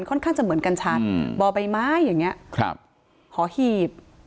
ค่อนข้างจะเหมือนกันชัดอืมบ่อใบไม้อย่างเงี้ยครับหอหีบ